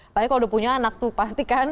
apalagi kalau udah punya anak tuh pasti kan